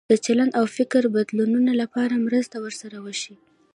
د چلند او فکر بدلولو لپاره مرسته ورسره وشي.